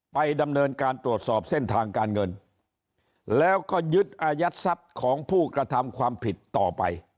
ไปดำเนินการตรวจสอบเส้นทางการเงินแล้วก็ยึดอายัดทรัพย์ของผู้กระทำความผิดต่อไป